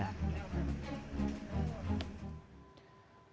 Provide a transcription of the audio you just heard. tim liputan cnn indonesia